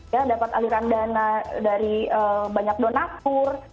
ya dapat aliran dana dari banyak donatur